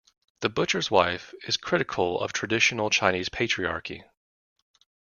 "The Butcher's Wife" is critical of traditional Chinese patriarchy.